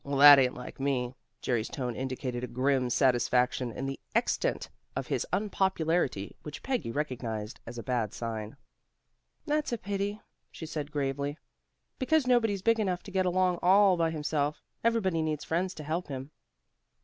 "Well, that ain't like me." Jerry's tone indicated a grim satisfaction in the extent of his unpopularity, which Peggy recognized as a bad sign. "That's a pity," she said gravely. "Because nobody's big enough to get along all by himself. Everybody needs friends to help him."